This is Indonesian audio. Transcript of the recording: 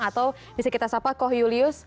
atau bisa kita sapa koh julius